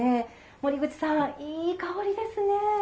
森口さん、いい香りですね。